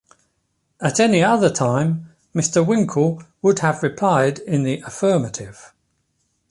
At any other time, Mr. Winkle would have replied in the affirmative.